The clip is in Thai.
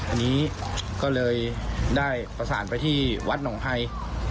อันนี้ก็เลยได้ประสานไปที่วัดหนองไฮ